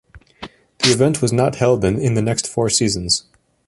The event was not held in the next four seasons.